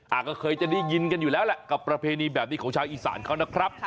ก็เคยจะได้ยินกันอยู่แล้วแหละกับประเพณีแบบนี้ของชาวอีสานเขานะครับ